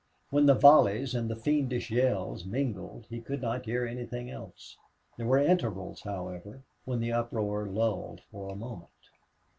When the volleys and the fiendish yells mingled he could not hear anything else. There were intervals, however, when the uproar lulled for a moment.